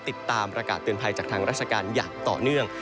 ติดตามประกาศเตือนภัยจากทางราชการอย่างต่อเนื่อง